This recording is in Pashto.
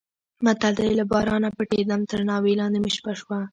متل دی: له بارانه پټېدم تر ناوې لاندې مې شپه شوه.